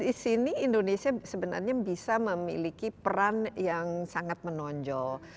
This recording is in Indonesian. nah saya lihat di sini indonesia sebenarnya bisa memiliki peran yang sangat menonjol